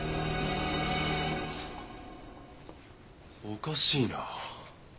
おかしいな。